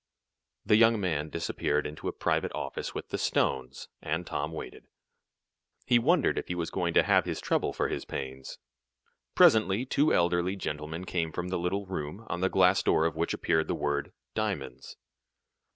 The young man disappeared into a private office with the stones, and Tom waited. He wondered if he was going to have his trouble for his pains. Presently two elderly gentlemen came from the little room, on the glass door of which appeared the word "Diamonds."